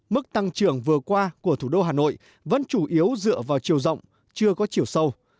mức tăng trưởng vừa qua của thủ đô hà nội vẫn chủ yếu dựa vào chiều rộng chưa có chiều sâu